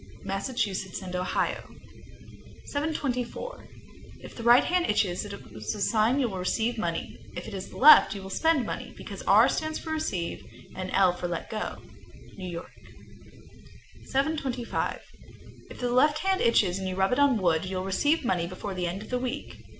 Massachusetts and Ohio. 724. If the right hand itches, it is a sign you will receive money; if the left, you will spend money, because R stands for receive, and L for let go. New York. 725. If the left hand itches and you rub it on wood, you'll receive money before the end of the week.